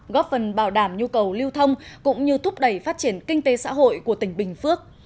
góp phần bảo đảm nhu cầu lưu thông cũng như thúc đẩy phát triển kinh tế xã hội của tỉnh bình phước